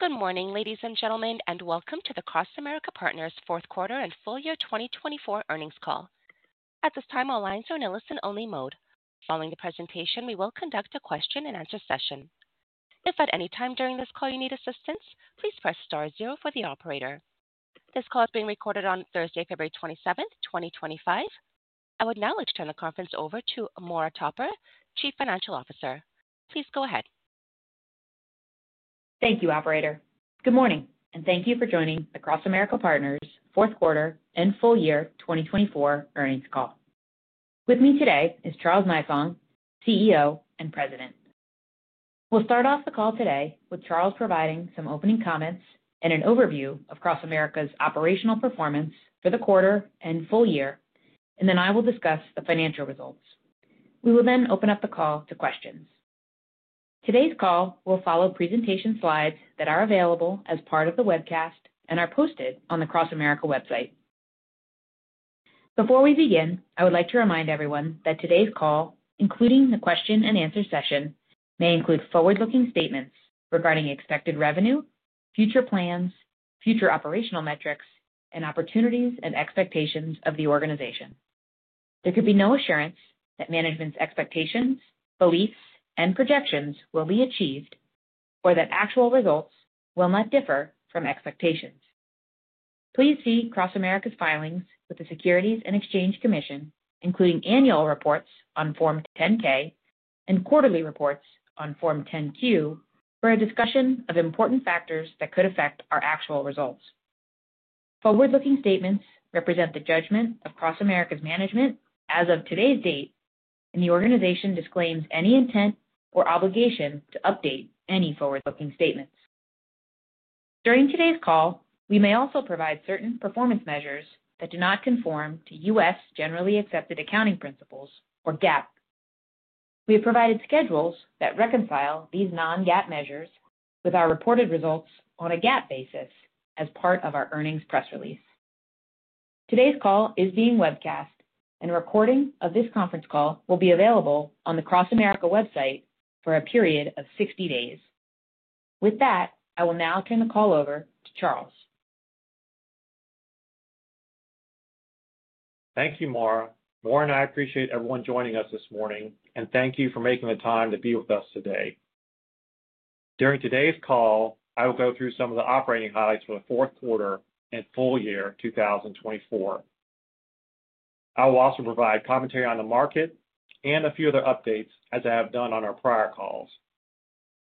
Good morning, ladies and gentlemen, and welcome to the CrossAmerica Partners fourth quarter and full year 2024 earnings call. At this time, all lines are in a listen-only mode. Following the presentation, we will conduct a question-and-answer session. If at any time during this call you need assistance, please press star zero for the operator. This call is being recorded on Thursday, February 27, 2025. I would now like to turn the conference over to Maura Topper, Chief Financial Officer. Please go ahead. Thank you, Operator. Good morning, and thank you for joining the CrossAmerica Partners fourth quarter and full year 2024 earnings call. With me today is Charles Nifong, CEO and President. We'll start off the call today with Charles providing some opening comments and an overview of CrossAmerica's operational performance for the quarter and full year, and then I will discuss the financial results. We will then open up the call to questions. Today's call will follow presentation slides that are available as part of the webcast and are posted on the CrossAmerica website. Before we begin, I would like to remind everyone that today's call, including the question-and-answer session, may include forward-looking statements regarding expected revenue, future plans, future operational metrics, and opportunities and expectations of the organization. There could be no assurance that management's expectations, beliefs, and projections will be achieved, or that actual results will not differ from expectations. Please see CrossAmerica's filings with the Securities and Exchange Commission, including annual reports on Form 10-K and quarterly reports on Form 10-Q, for a discussion of important factors that could affect our actual results. Forward-looking statements represent the judgment of CrossAmerica's management as of today's date, and the organization disclaims any intent or obligation to update any forward-looking statements. During today's call, we may also provide certain performance measures that do not conform to U.S. generally accepted accounting principles, or GAAP. We have provided schedules that reconcile these non-GAAP measures with our reported results on a GAAP basis as part of our earnings press release. Today's call is being webcast, and a recording of this conference call will be available on the CrossAmerica website for a period of 60 days. With that, I will now turn the call over to Charles. Thank you, Maura. Maura and I appreciate everyone joining us this morning, and thank you for making the time to be with us today. During today's call, I will go through some of the operating highlights for the fourth quarter and full year 2024. I will also provide commentary on the market and a few other updates as I have done on our prior calls.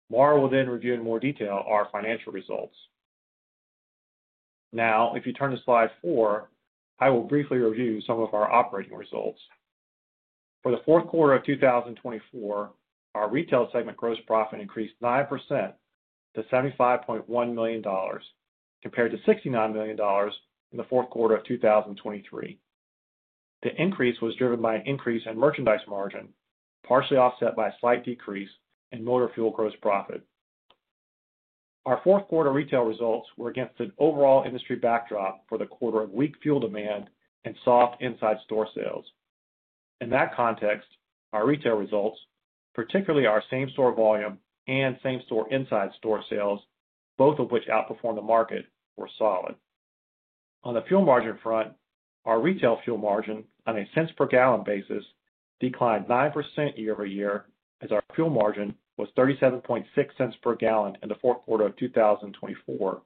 Maura will then review in more detail our financial results. Now, if you turn to slide four, I will briefly review some of our operating results. For the fourth quarter of 2024, our Retail segment gross profit increased 9% to $75.1 million, compared to $69 million in the fourth quarter of 2023. The increase was driven by an increase in merchandise margin, partially offset by a slight decrease in motor fuel gross profit. Our fourth quarter Retail results were against an overall industry backdrop for the quarter of weak fuel demand and soft inside store sales. In that context, our Retail results, particularly our same-store volume and same-store inside store sales, both of which outperformed the market, were solid. On the fuel margin front, our Retail fuel margin on a cents per gallon basis declined 9% year-over-year as our fuel margin was $0.376 per gallon in the fourth quarter of 2024,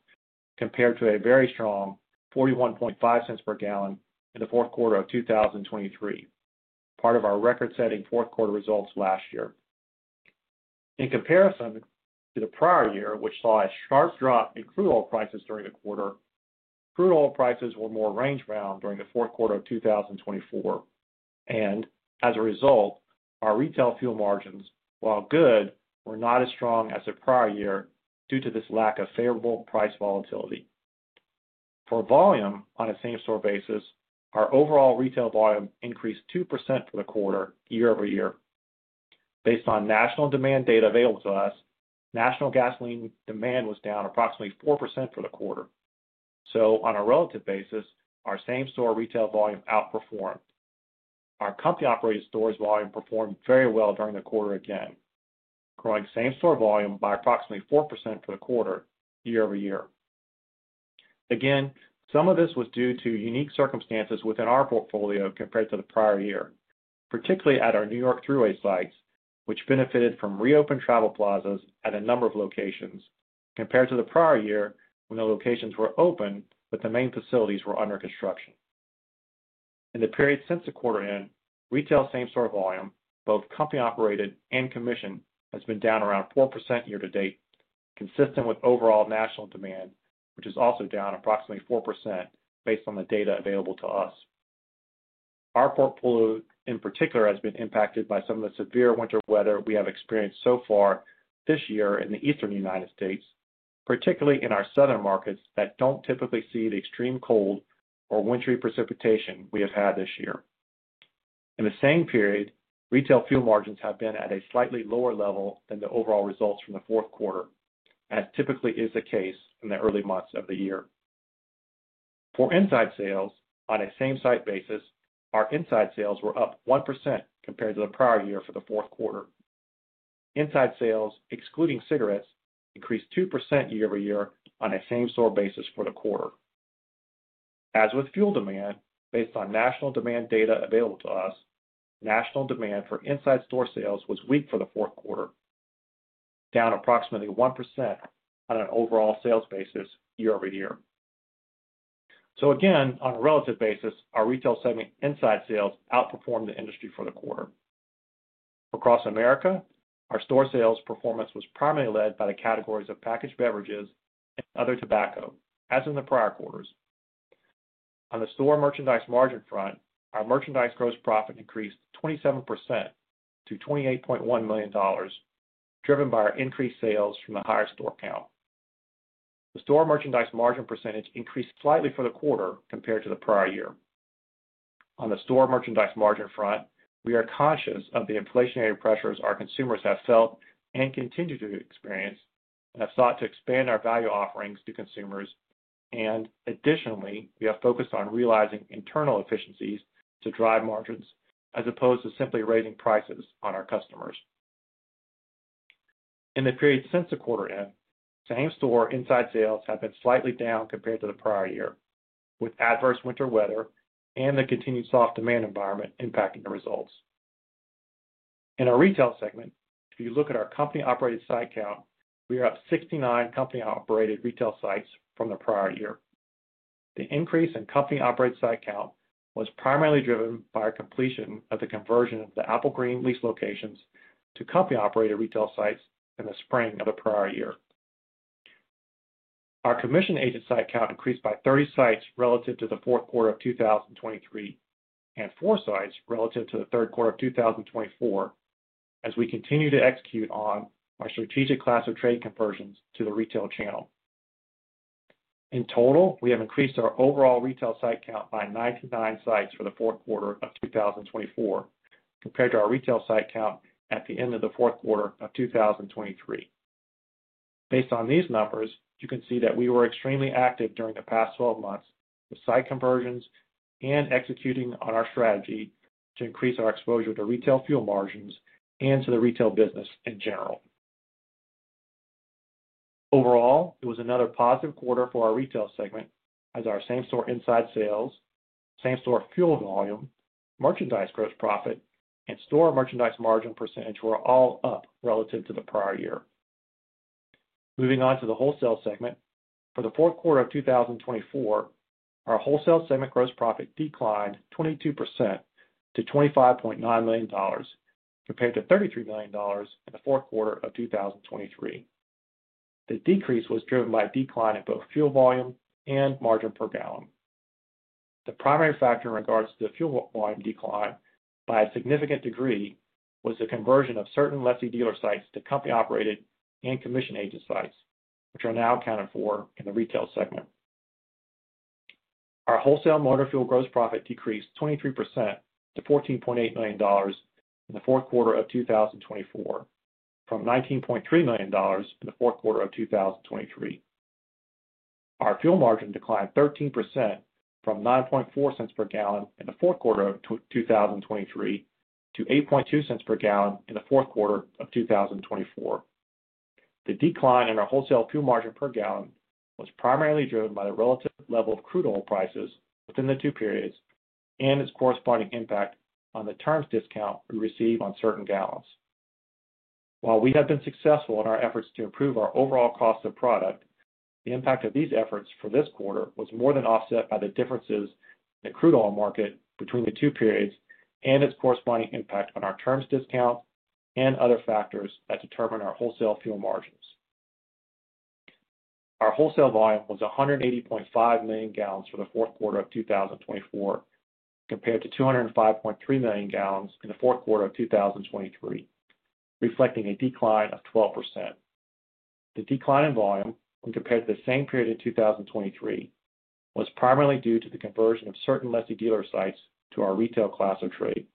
compared to a very strong $0.415 cents per gallon in the fourth quarter of 2023, part of our record-setting fourth quarter results last year. In comparison to the prior year, which saw a sharp drop in crude oil prices during the quarter, crude oil prices were more range-bound during the fourth quarter of 2024, and as a result, our Retail fuel margins, while good, were not as strong as the prior year due to this lack of favorable price volatility. For volume, on a same-store basis, our overall Retail volume increased 2% for the quarter year-over-year. Based on national demand data available to us, national gasoline demand was down approximately 4% for the quarter. So, on a relative basis, our same-store Retail volume outperformed. Our company-operated stores' volume performed very well during the quarter again, growing same-store volume by approximately 4% for the quarter year-over-year. Again, some of this was due to unique circumstances within our portfolio compared to the prior year, particularly at our New York Thruway sites, which benefited from reopened travel plazas at a number of locations compared to the prior year when the locations were open, but the main facilities were under construction. In the period since the quarter end, Retail same-store volume, both company-operated and commission, has been down around 4% year to date, consistent with overall national demand, which is also down approximately 4% based on the data available to us. Our portfolio, in particular, has been impacted by some of the severe winter weather we have experienced so far this year in the Eastern United States, particularly in our southern markets that don't typically see the extreme cold or wintry precipitation we have had this year. In the same period, Retail fuel margins have been at a slightly lower level than the overall results from the fourth quarter, as typically is the case in the early months of the year. For inside sales, on a same-site basis, our inside sales were up 1% compared to the prior year for the fourth quarter. Inside sales, excluding cigarettes, increased 2% year-over-year on a same-store basis for the quarter. As with fuel demand, based on national demand data available to us, national demand for inside store sales was weak for the fourth quarter, down approximately 1% on an overall sales basis year-over-year. So again, on a relative basis, our Retail segment inside sales outperformed the industry for the quarter. For CrossAmerica, our store sales performance was primarily led by the categories of packaged beverages and other tobacco, as in the prior quarters. On the store merchandise margin front, our merchandise gross profit increased 27% to $28.1 million, driven by our increased sales from the higher store count. The store merchandise margin percentage increased slightly for the quarter compared to the prior year. On the store merchandise margin front, we are conscious of the inflationary pressures our consumers have felt and continue to experience, and have sought to expand our value offerings to consumers. Additionally, we have focused on realizing internal efficiencies to drive margins as opposed to simply raising prices on our customers. In the period since the quarter end, same-store inside sales have been slightly down compared to the prior year, with adverse winter weather and the continued soft demand environment impacting the results. In our Retail segment, if you look at our company-operated site count, we are up 69 company-operated Retail sites from the prior year. The increase in company-operated site count was primarily driven by our completion of the conversion of the Applegreen lease locations to company-operated Retail sites in the spring of the prior year. Our commission agent site count increased by 30 sites relative to the fourth quarter of 2023 and 4 sites relative to the third quarter of 2024, as we continue to execute on our strategic class of trade conversions to the Retail channel. In total, we have increased our overall Retail site count by 99 sites for the fourth quarter of 2024, compared to our Retail site count at the end of the fourth quarter of 2023. Based on these numbers, you can see that we were extremely active during the past 12 months with site conversions and executing on our strategy to increase our exposure to Retail fuel margins and to the Retail business in general. Overall, it was another positive quarter for our Retail segment, as our same-store inside sales, same-store fuel volume, merchandise gross profit, and store merchandise margin percentage were all up relative to the prior year. Moving on to the Wholesale segment, for the fourth quarter of 2024, our Wholesale segment gross profit declined 22% to $25.9 million, compared to $33 million in the fourth quarter of 2023. The decrease was driven by a decline in both fuel volume and margin per gallon. The primary factor in regards to the fuel volume decline by a significant degree was the conversion of certain lessee dealer sites to company-operated and commission agent sites, which are now accounted for in the Retail segment. Our Wholesale motor fuel gross profit decreased 23% to $14.8 million in the fourth quarter of 2024, from $19.3 million in the fourth quarter of 2023. Our fuel margin declined 13% from $0.094 per gallon in the fourth quarter of 2023 to $0.082 per gallon in the fourth quarter of 2024. The decline in our Wholesale fuel margin per gallon was primarily driven by the relative level of crude oil prices within the two periods and its corresponding impact on the terms discount we receive on certain gallons. While we have been successful in our efforts to improve our overall cost of product, the impact of these efforts for this quarter was more than offset by the differences in the crude oil market between the two periods and its corresponding impact on our terms discount and other factors that determine our Wholesale fuel margins. Our Wholesale volume was 180.5 million gallons for the fourth quarter of 2024, compared to 205.3 million gallons in the fourth quarter of 2023, reflecting a decline of 12%. The decline in volume, when compared to the same period in 2023, was primarily due to the conversion of certain lessee dealer sites to our Retail class of trade.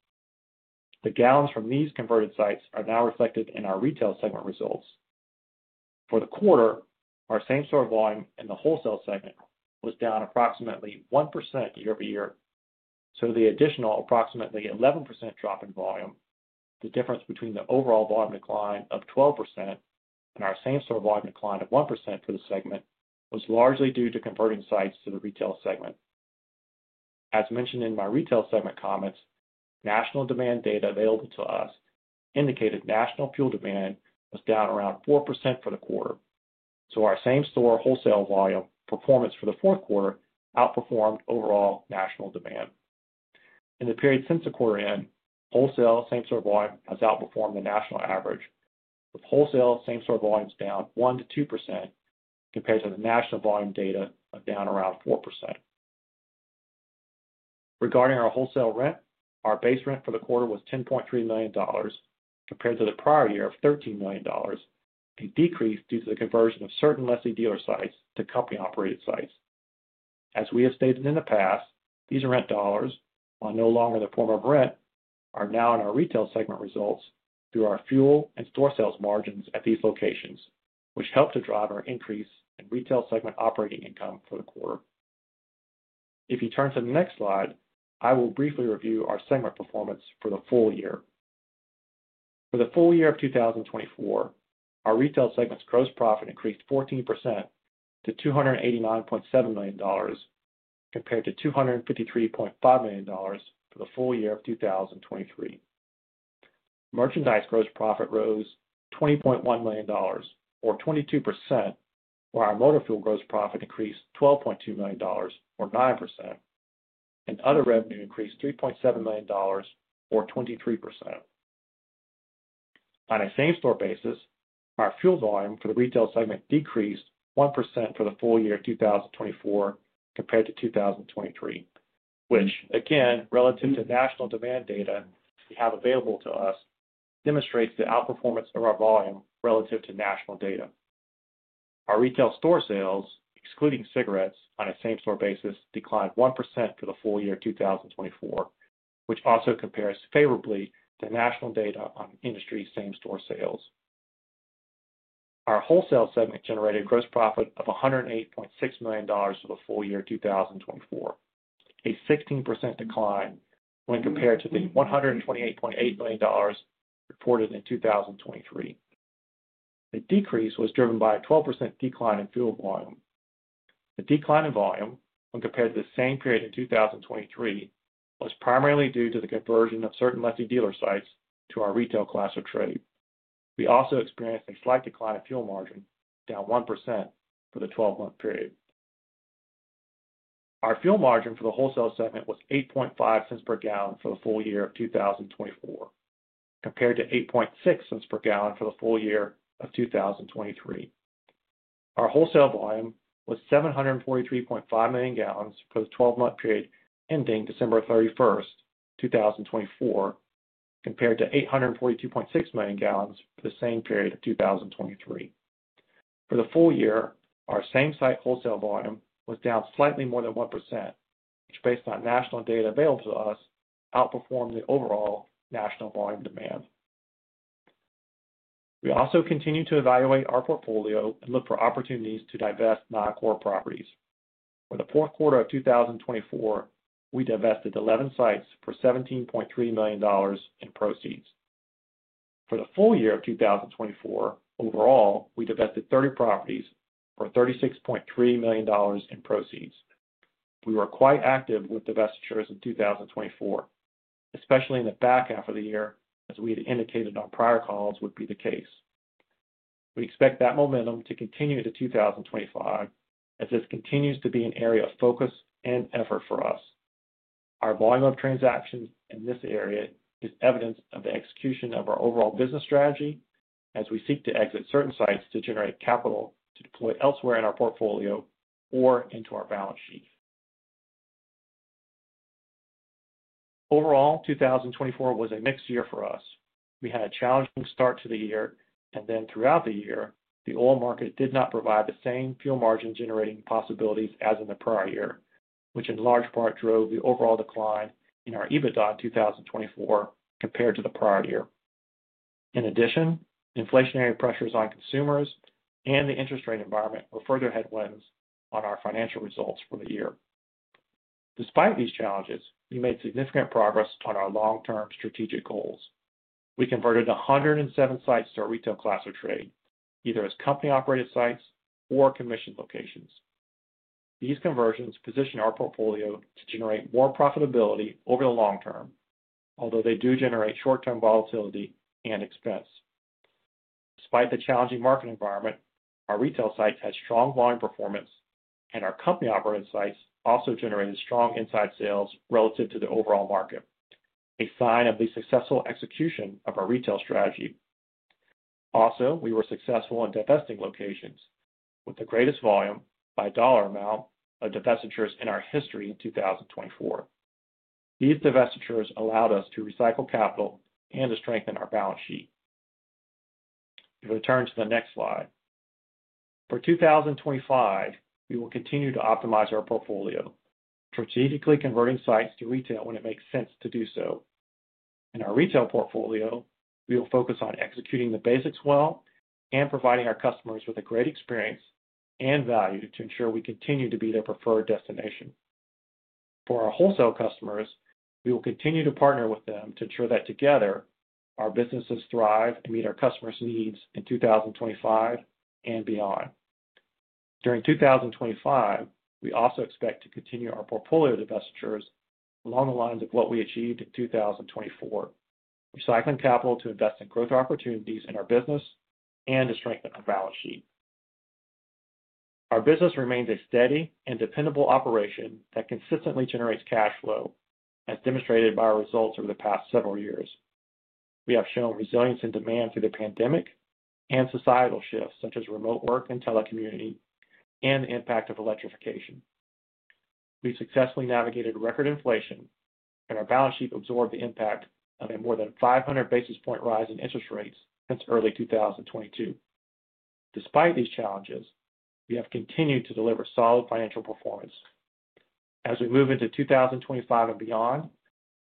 The gallons from these converted sites are now reflected in our Retail segment results. For the quarter, our same-store volume in the Wholesale segment was down approximately 1% year-over-year, so the additional approximately 11% drop in volume, the difference between the overall volume decline of 12% and our same-store volume decline of 1% for the segment, was largely due to converting sites to the Retail segment. As mentioned in my Retail segment comments, national demand data available to us indicated national fuel demand was down around 4% for the quarter, so our same-store Wholesale volume performance for the fourth quarter outperformed overall national demand. In the period since the quarter end, Wholesale same-store volume has outperformed the national average, with Wholesale same-store volumes down 1%-2% compared to the national volume data of down around 4%. Regarding our Wholesale rent, our base rent for the quarter was $10.3 million, compared to the prior year of $13 million, a decrease due to the conversion of certain lessee dealer sites to company-operated sites. As we have stated in the past, these rent dollars, while no longer in the form of rent, are now in our Retail segment results through our fuel and store sales margins at these locations, which helped to drive our increase in Retail segment operating income for the quarter. If you turn to the next slide, I will briefly review our segment performance for the full year. For the full year of 2024, our Retail segment's gross profit increased 14% to $289.7 million, compared to $253.5 million for the full year of 2023. Merchandise gross profit rose $20.1 million, or 22%, while our motor fuel gross profit increased $12.2 million, or 9%, and other revenue increased $3.7 million, or 23%. On a same-store basis, our fuel volume for the Retail segment decreased 1% for the full year of 2024 compared to 2023, which, again, relative to national demand data we have available to us, demonstrates the outperformance of our volume relative to national data. Our Retail store sales, excluding cigarettes, on a same-store basis declined 1% for the full year of 2024, which also compares favorably to national data on industry same-store sales. Our Wholesale segment generated gross profit of $108.6 million for the full year of 2024, a 16% decline when compared to the $128.8 million reported in 2023. The decrease was driven by a 12% decline in fuel volume. The decline in volume, when compared to the same period in 2023, was primarily due to the conversion of certain lessee dealer sites to our Retail class of trade. We also experienced a slight decline in fuel margin, down 1% for the 12-month period. Our fuel margin for the Wholesale segment was $0.085 per gallon for the full year of 2024, compared to $0.086 per gallon for the full year of 2023. Our Wholesale volume was 743.5 million gallons for the 12-month period ending December 31st, 2024, compared to 842.6 million gallons for the same period of 2023. For the full year, our same-site Wholesale volume was down slightly more than 1%, which, based on national data available to us, outperformed the overall national volume demand. We also continue to evaluate our portfolio and look for opportunities to divest non-core properties. For the fourth quarter of 2024, we divested 11 sites for $17.3 million in proceeds. For the full year of 2024, overall, we divested 30 properties for $36.3 million in proceeds. We were quite active with divestitures in 2024, especially in the back half of the year, as we had indicated on prior calls would be the case. We expect that momentum to continue into 2025, as this continues to be an area of focus and effort for us. Our volume of transactions in this area is evidence of the execution of our overall business strategy, as we seek to exit certain sites to generate capital to deploy elsewhere in our portfolio or into our balance sheet. Overall, 2024 was a mixed year for us. We had a challenging start to the year, and then throughout the year, the oil market did not provide the same fuel margin-generating possibilities as in the prior year, which in large part drove the overall decline in our EBITDA in 2024 compared to the prior year. In addition, inflationary pressures on consumers and the interest rate environment were further headwinds on our financial results for the year. Despite these challenges, we made significant progress on our long-term strategic goals. We converted 107 sites to our Retail class of trade, either as company-operated sites or commission locations. These conversions position our portfolio to generate more profitability over the long term, although they do generate short-term volatility and expense. Despite the challenging market environment, our Retail sites had strong volume performance, and our company-operated sites also generated strong inside sales relative to the overall market, a sign of the successful execution of our Retail strategy. Also, we were successful in divesting locations, with the greatest volume by dollar amount of divestitures in our history in 2024. These divestitures allowed us to recycle capital and to strengthen our balance sheet. If we turn to the next slide, for 2025, we will continue to optimize our portfolio, strategically converting sites to Retail when it makes sense to do so. In our Retail portfolio, we will focus on executing the basics well and providing our customers with a great experience and value to ensure we continue to be their preferred destination. For our Wholesale customers, we will continue to partner with them to ensure that together, our businesses thrive and meet our customers' needs in 2025 and beyond. During 2025, we also expect to continue our portfolio divestitures along the lines of what we achieved in 2024, recycling capital to invest in growth opportunities in our business and to strengthen our balance sheet. Our business remains a steady and dependable operation that consistently generates cash flow, as demonstrated by our results over the past several years. We have shown resilience in demand through the pandemic and societal shifts, such as remote work and telecommuting, and the impact of electrification. We successfully navigated record inflation, and our balance sheet absorbed the impact of a more than 500 basis point rise in interest rates since early 2022. Despite these challenges, we have continued to deliver solid financial performance. As we move into 2025 and beyond,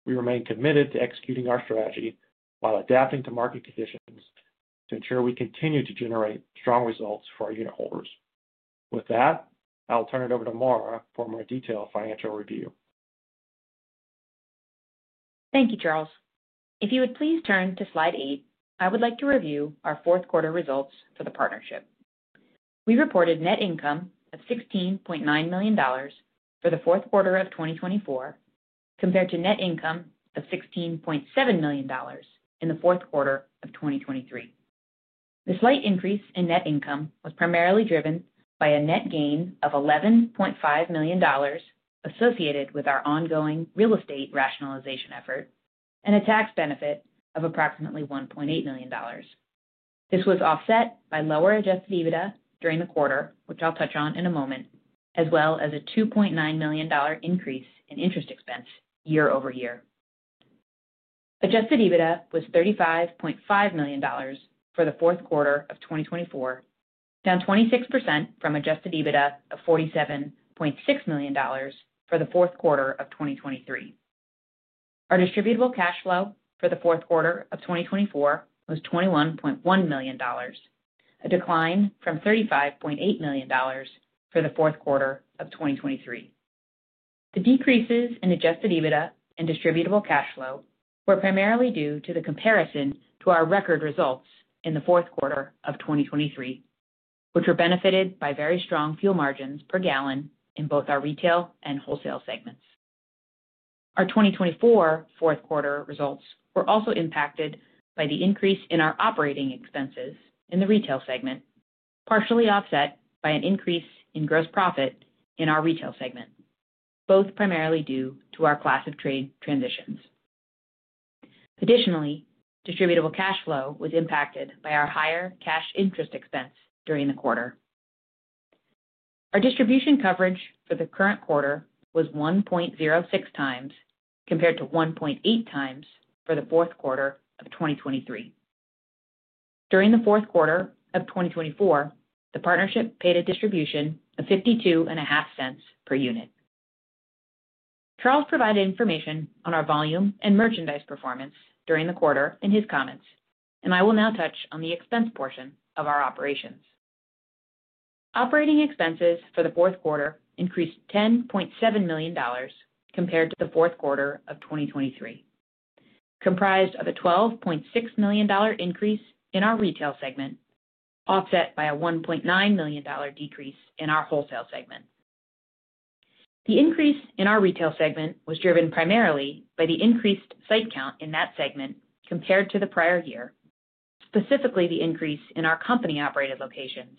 we remain committed to executing our strategy while adapting to market conditions to ensure we continue to generate strong results for our unit holders. With that, I'll turn it over to Maura for a more detailed financial review. Thank you, Charles. If you would please turn to slide eight, I would like to review our fourth quarter results for the partnership. We reported net income of $16.9 million for the fourth quarter of 2024, compared to net income of $16.7 million in the fourth quarter of 2023. The slight increase in net income was primarily driven by a net gain of $11.5 million associated with our ongoing real estate rationalization effort and a tax benefit of approximately $1.8 million. This was offset by lower Adjusted EBITDA during the quarter, which I'll touch on in a moment, as well as a $2.9 million increase in interest expense year-over-year. Adjusted EBITDA was $35.5 million for the fourth quarter of 2024, down 26% from Adjusted EBITDA of $47.6 million for the fourth quarter of 2023. Our distributable cash flow for the fourth quarter of 2024 was $21.1 million, a decline from $35.8 million for the fourth quarter of 2023. The decreases in Adjusted EBITDA and distributable cash flow were primarily due to the comparison to our record results in the fourth quarter of 2023, which were benefited by very strong fuel margins per gallon in both our Retail and Wholesale segments. Our 2024 fourth quarter results were also impacted by the increase in our operating expenses in the Retail segment, partially offset by an increase in gross profit in our Retail segment, both primarily due to our class of trade transitions. Additionally, distributable cash flow was impacted by our higher cash interest expense during the quarter. Our distribution coverage for the current quarter was 1.06x compared to 1.8x for the fourth quarter of 2023. During the fourth quarter of 2024, the partnership paid a distribution of $0.525 per unit. Charles provided information on our volume and merchandise performance during the quarter in his comments, and I will now touch on the expense portion of our operations. Operating expenses for the fourth quarter increased $10.7 million compared to the fourth quarter of 2023, comprised of a $12.6 million increase in our Retail segment, offset by a $1.9 million decrease in our Wholesale segment. The increase in our Retail segment was driven primarily by the increased site count in that segment compared to the prior year, specifically the increase in our company-operated locations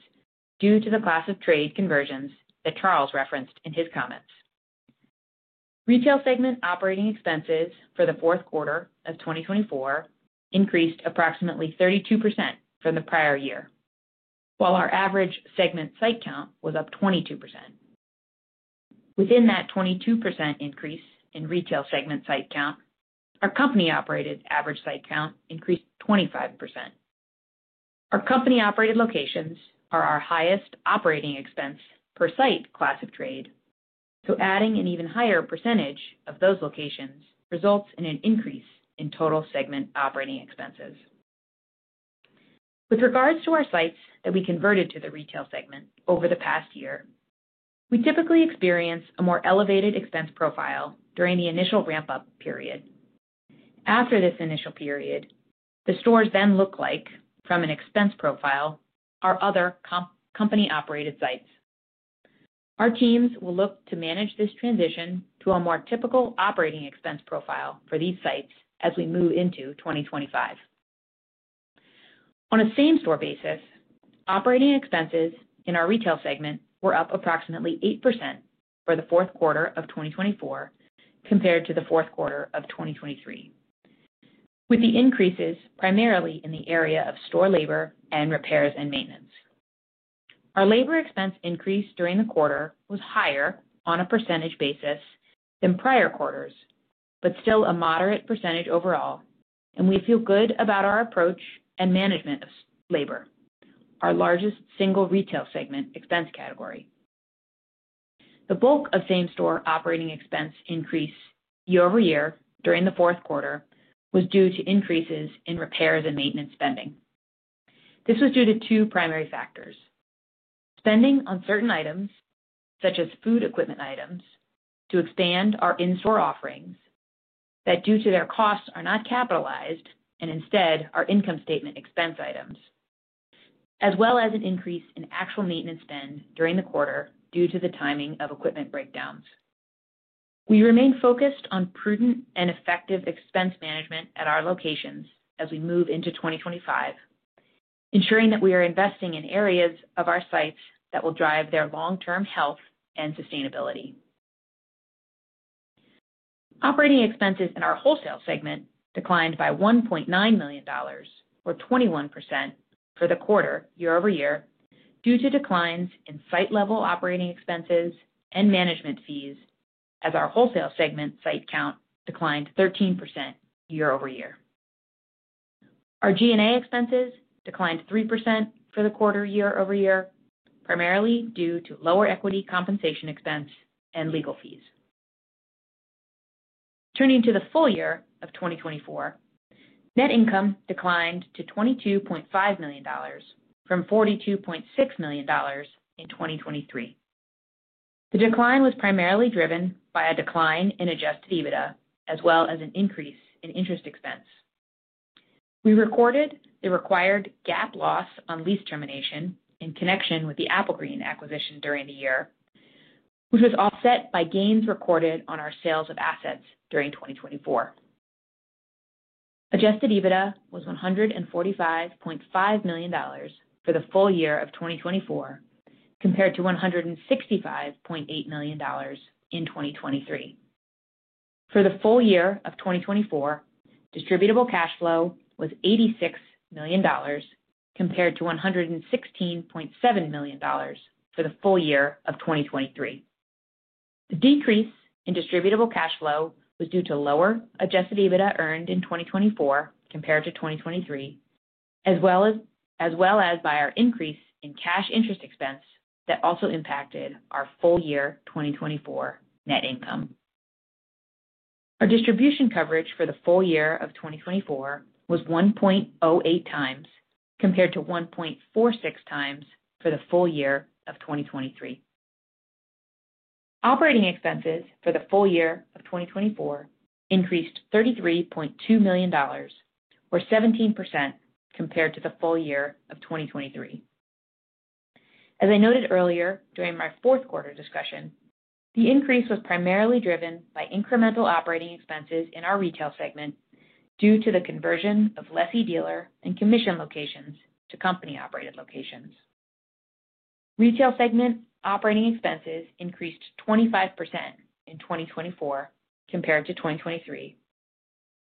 due to the class of trade conversions that Charles referenced in his comments. Retail segment operating expenses for the fourth quarter of 2024 increased approximately 32% from the prior year, while our average segment site count was up 22%. Within that 22% increase in Retail segment site count, our company-operated average site count increased 25%. Our company-operated locations are our highest operating expense per site class of trade, so adding an even higher percentage of those locations results in an increase in total segment operating expenses. With regards to our sites that we converted to the Retail segment over the past year, we typically experience a more elevated expense profile during the initial ramp-up period. After this initial period, the stores then look like, from an expense profile, our other company-operated sites. Our teams will look to manage this transition to a more typical operating expense profile for these sites as we move into 2025. On a same-store basis, operating expenses in our Retail segment were up approximately 8% for the fourth quarter of 2024 compared to the fourth quarter of 2023, with the increases primarily in the area of store labor and repairs and maintenance. Our labor expense increase during the quarter was higher on a percentage basis than prior quarters, but still a moderate percentage overall, and we feel good about our approach and management of labor, our largest single Retail segment expense category. The bulk of same-store operating expense increase year-over-year during the fourth quarter was due to increases in repairs and maintenance spending. This was due to two primary factors: spending on certain items, such as food equipment items, to expand our in-store offerings that, due to their costs, are not capitalized and instead are income statement expense items, as well as an increase in actual maintenance spend during the quarter due to the timing of equipment breakdowns. We remain focused on prudent and effective expense management at our locations as we move into 2025, ensuring that we are investing in areas of our sites that will drive their long-term health and sustainability. Operating expenses in our Wholesale segment declined by $1.9 million, or 21%, for the quarter year-over-year due to declines in site-level operating expenses and management fees, as our Wholesale segment site count declined 13% year-over-year. Our G&A expenses declined 3% for the quarter year-over-year, primarily due to lower equity compensation expense and legal fees. Turning to the full year of 2024, net income declined to $22.5 million from $42.6 million in 2023. The decline was primarily driven by a decline in Adjusted EBITDA, as well as an increase in interest expense. We recorded the required GAAP loss on lease termination in connection with the Applegreen acquisition during the year, which was offset by gains recorded on our sales of assets during 2024. Adjusted EBITDA was $145.5 million for the full year of 2024, compared to $165.8 million in 2023. For the full year of 2024, distributable cash flow was $86 million compared to $116.7 million for the full year of 2023. The decrease in distributable cash flow was due to lower Adjusted EBITDA earned in 2024 compared to 2023, as well as by our increase in cash interest expense that also impacted our full year 2024 net income. Our distribution coverage for the full year of 2024 was 1.08x compared to 1.46x for the full year of 2023. Operating expenses for the full year of 2024 increased $33.2 million, or 17%, compared to the full year of 2023. As I noted earlier during my fourth quarter discussion, the increase was primarily driven by incremental operating expenses in our Retail segment due to the conversion of lessee dealer and commission locations to company-operated locations. Retail segment operating expenses increased 25% in 2024 compared to 2023,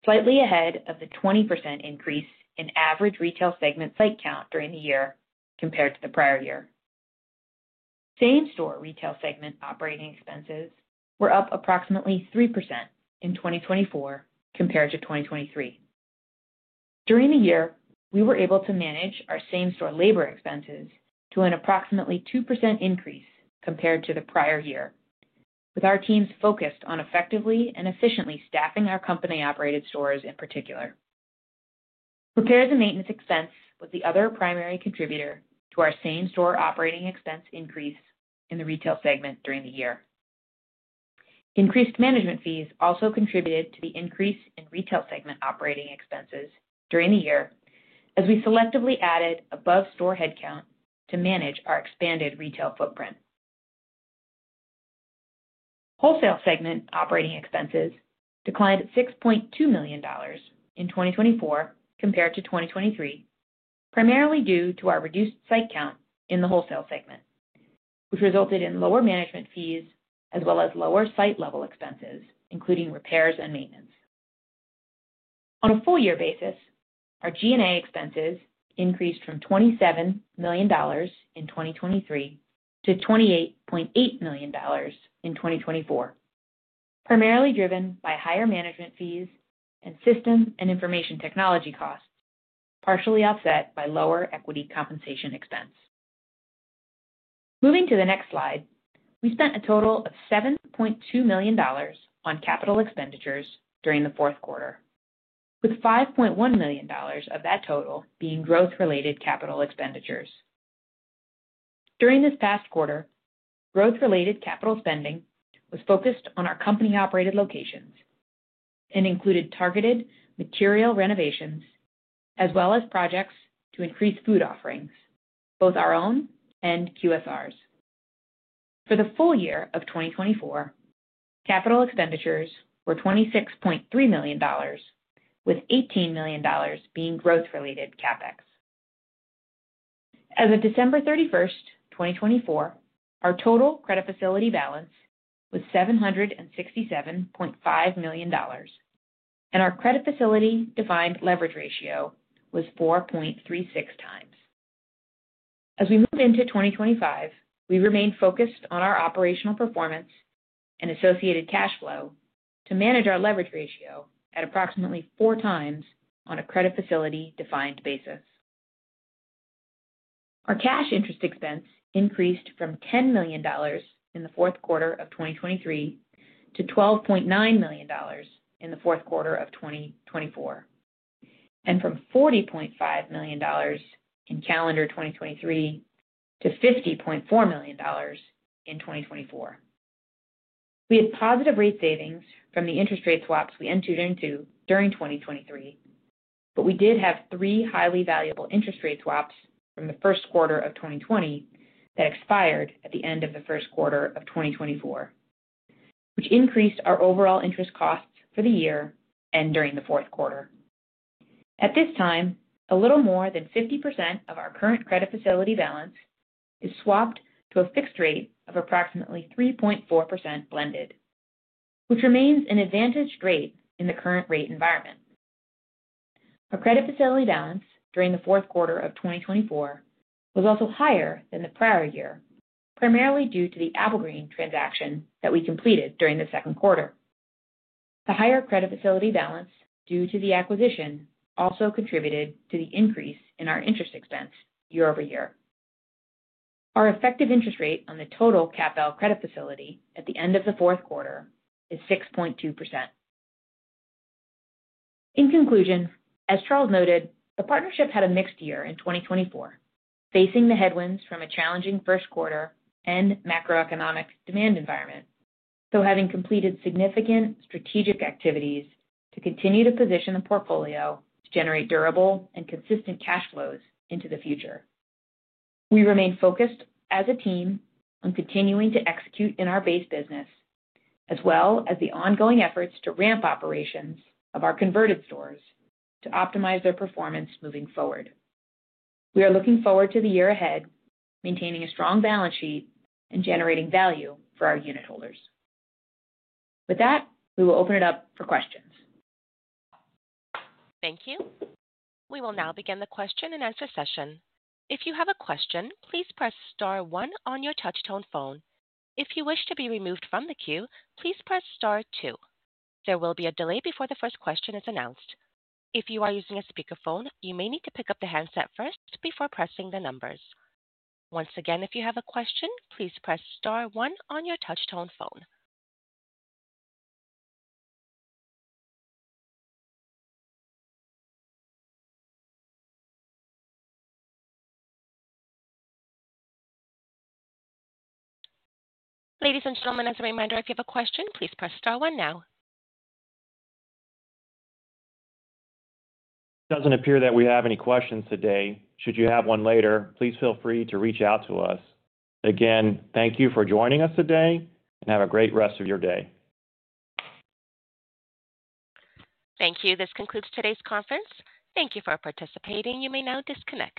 slightly ahead of the 20% increase in average Retail segment site count during the year compared to the prior year. Same-store Retail segment operating expenses were up approximately 3% in 2024 compared to 2023. During the year, we were able to manage our same-store labor expenses to an approximately 2% increase compared to the prior year, with our teams focused on effectively and efficiently staffing our company-operated stores in particular. Repairs and maintenance expense was the other primary contributor to our same-store operating expense increase in the Retail segment during the year. Increased management fees also contributed to the increase in Retail segment operating expenses during the year, as we selectively added above-store headcount to manage our expanded Retail footprint. Wholesale segment operating expenses declined $6.2 million in 2024 compared to 2023, primarily due to our reduced site count in the Wholesale segment, which resulted in lower management fees as well as lower site-level expenses, including repairs and maintenance. On a full-year basis, our G&A expenses increased from $27 million in 2023 to $28.8 million in 2024, primarily driven by higher management fees and system and information technology costs, partially offset by lower equity compensation expense. Moving to the next slide, we spent a total of $7.2 million on capital expenditures during the fourth quarter, with $5.1 million of that total being growth-related capital expenditures. During this past quarter, growth-related capital spending was focused on our company-operated locations and included targeted material renovations as well as projects to increase food offerings, both our own and QSRs. For the full year of 2024, capital expenditures were $26.3 million, with $18 million being growth-related CapEx. As of December 31st, 2024, our total credit facility balance was $767.5 million, and our credit facility-defined leverage ratio was 4.36x. As we move into 2025, we remained focused on our operational performance and associated cash flow to manage our leverage ratio at approximately 4x on a credit facility-defined basis. Our cash interest expense increased from $10 million in the fourth quarter of 2023 to $12.9 million in the fourth quarter of 2024, and from $40.5 million in calendar 2023 to $50.4 million in 2024. We had positive rate savings from the interest rate swaps we entered into during 2023, but we did have three highly valuable interest rate swaps from the first quarter of 2020 that expired at the end of the first quarter of 2024, which increased our overall interest costs for the year and during the fourth quarter. At this time, a little more than 50% of our current credit facility balance is swapped to a fixed rate of approximately 3.4% blended, which remains an advantaged rate in the current rate environment. Our credit facility balance during the fourth quarter of 2024 was also higher than the prior year, primarily due to the Applegreen transaction that we completed during the second quarter. The higher credit facility balance due to the acquisition also contributed to the increase in our interest expense year-over-year. Our effective interest rate on the total CAPL Credit Facility at the end of the fourth quarter is 6.2%. In conclusion, as Charles noted, the partnership had a mixed year in 2024, facing the headwinds from a challenging first quarter and macroeconomic demand environment, though having completed significant strategic activities to continue to position the portfolio to generate durable and consistent cash flows into the future. We remain focused, as a team, on continuing to execute in our base business, as well as the ongoing efforts to ramp operations of our converted stores to optimize their performance moving forward. We are looking forward to the year ahead, maintaining a strong balance sheet and generating value for our unitholders. With that, we will open it up for questions. Thank you. We will now begin the question-and-answer session. If you have a question, please press star one on your touch-tone phone. If you wish to be removed from the queue, please press star two. There will be a delay before the first question is announced. If you are using a speakerphone, you may need to pick up the handset first before pressing the numbers. Once again, if you have a question, please press star two on your touch-tone phone. Ladies and gentlemen, as a reminder, if you have a question, please press star ones now. It doesn't appear that we have any questions today. Should you have one later, please feel free to reach out to us. Again, thank you for joining us today, and have a great rest of your day. Thank you. This concludes today's conference. Thank you for participating. You may now disconnect.